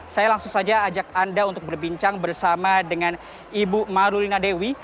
saya langsung saja ajak anda untuk berbincang bersama dengan ibu marulina dewi